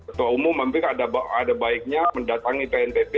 ketua umum mungkin ada baiknya mendatangi bnpb